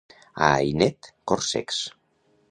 A Ainet, corsecs.